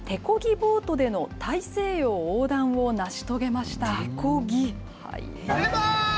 ボートでの大西洋横断を成し遂げました。